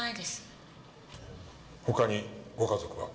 他にご家族は？